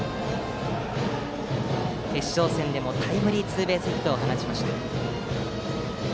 決勝戦でもタイムリーツーベースヒットを放ちました。